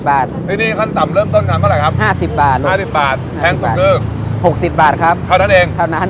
อันนี้ขั้นต่ำเริ่มต้นขั้นเท่าไหร่ครับ๕๐บาท๕๐บาทแทงสดคือ๖๐บาทครับเท่านั้นเอง